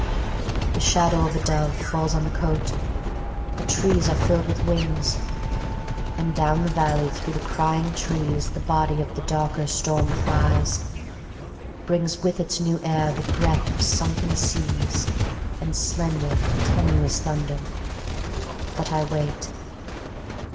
The shadow of a dove Falls on the cote, the trees are filled with wings; And down the valley through the crying trees The body of the darker storm flies; brings With its new air the breath of sunken seas And slender tenuous thunder... But I wait...